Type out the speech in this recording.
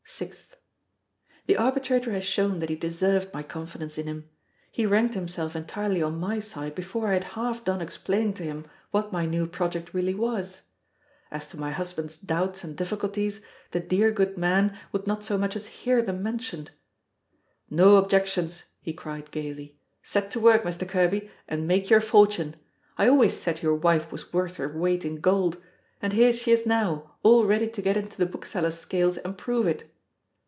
6th. The arbitrator has shown that he deserved my confidence in him. He ranked himself entirely on my side before I had half done explaining to him what my new project really was. As to my husband's doubts and difficulties, the dear good man would not so much as hear them mentioned. "No objections," he cried, gayly; "set to work, Mr. Kerby, and make your fortune. I always said your wife was worth her weight in gold and here she is now, all ready to get into the bookseller's scales and prove it.